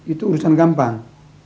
itu urusan gampang